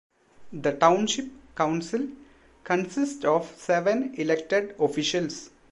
The Township Council consists of seven elected officials.